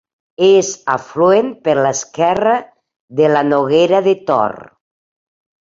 És afluent per l'esquerra de la Noguera de Tor.